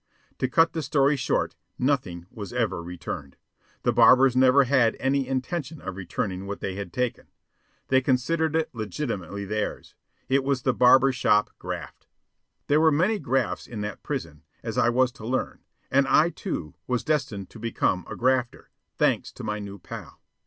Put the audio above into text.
To cut the story short, nothing was ever returned. The barbers never had any intention of returning what they had taken. They considered it legitimately theirs. It was the barber shop graft. There were many grafts in that prison, as I was to learn; and I, too, was destined to become a grafter thanks to my new pal.